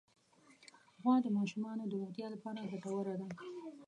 غوا د ماشومانو د روغتیا لپاره ګټوره ده.